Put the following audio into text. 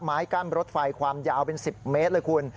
ไม้กั้นรถไฟความยาวเป็น๑๐เมตรเลยคุณ